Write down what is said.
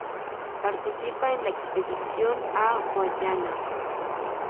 Participa en la expedición a Guayana.